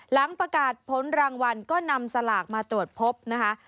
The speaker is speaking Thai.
หลังประกาศผลรางวัลก็นำสลากมาตรวจพบนะคะ